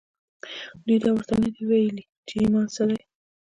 دوی دا ورته نه دي ویلي چې ایمان څه دی